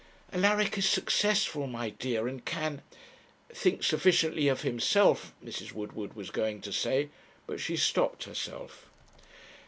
'Alaric is successful, my dear, and can ' Think sufficiently of himself, Mrs. Woodward was going to say, but she stopped herself.